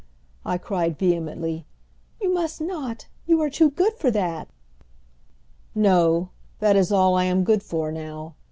I cried vehemently. "You must not! You are too good for that!" "No, that is all I am good for now.